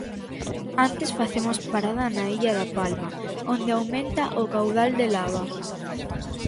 Antes facemos parada na illa da Palma, onde aumenta o caudal de lava.